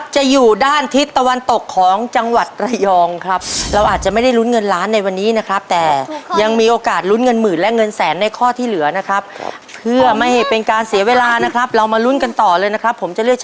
ฉันจะเลือกเฉลยข้อต่อไปจากเรื่องเก็บมังคุดครับ